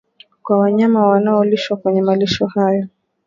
kwa wanyama wanaolishwa kwenye malisho hayo